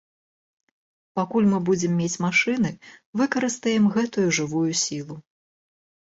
Пакуль мы будзем мець машыны, выкарыстаем гэтую жывую сілу.